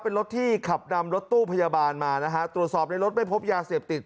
เป็นรถที่ขับนำรถตู้พยาบาลมานะฮะตรวจสอบในรถไม่พบยาเสพติด